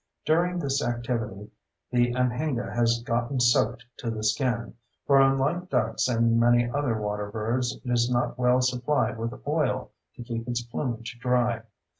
During this activity, the anhinga has gotten soaked to the skin, for, unlike ducks and many other water birds, it is not well supplied with oil to keep its plumage dry.